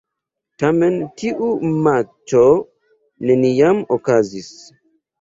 Tamen tiu matĉo neniam okazis.